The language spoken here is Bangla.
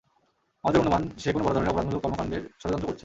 আমাদের অনুমান, সে কোনো বড় ধরণের অপরাধমূলক কর্মকাণ্ডের ষড়যন্ত্র করছে।